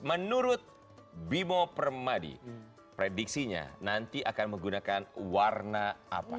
menurut bimo permadi prediksinya nanti akan menggunakan warna apa